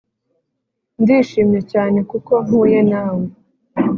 ndishimye cyane kuko mpuye nawe